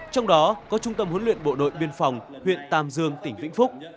trong đó có trung tâm huấn luyện bộ đội biên phòng huyện tàm dương tỉnh vĩnh phúc